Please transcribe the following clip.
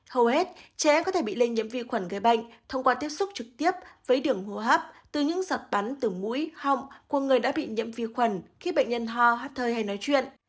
hầu hết trẻ có thể bị lây nhiễm vi khuẩn gây bệnh thông qua tiếp xúc trực tiếp với đường hô hấp từ những giọt bắn từ mũi họng của người đã bị nhiễm vi khuẩn khi bệnh nhân ho hát hơi hay nói chuyện